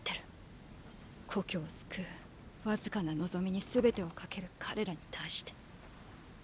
故郷を救うわずかな望みにすべてを懸ける彼らに対して。